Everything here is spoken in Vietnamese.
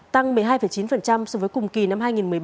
tăng một mươi hai chín so với cùng kỳ năm hai nghìn một mươi bảy